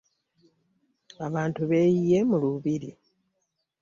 Abantu beyiye mu lubiri.